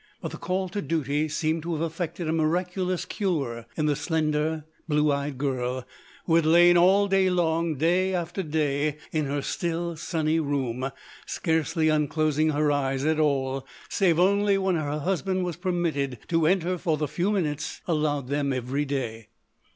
But the call to duty seemed to have effected a miraculous cure in the slender, blue eyed girl who had lain all day long, day after day, in her still, sunny room scarcely unclosing her eyes at all save only when her husband was permitted to enter for the few minutes allowed them every day.